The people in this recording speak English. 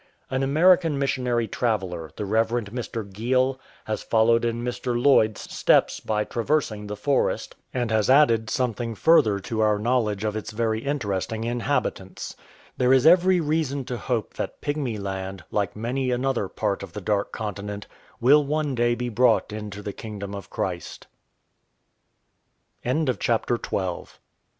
An American missionary traveller, the Rev. Mr. Geil, has followed in Mr. Lloyd's steps by traversing the forest, and has added 1S4 AND THE KINGDOM OF CHRIST something further to our knowledge of its very interesting inhabitants. There is every reason to hope that Pygmy land, like many another part of the Dark Continent, will one day be brought into the Kingdom of Christ.